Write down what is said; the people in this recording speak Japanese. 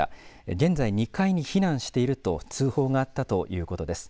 現在２階に避難していると通報があったということです。